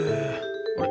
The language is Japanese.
あれ？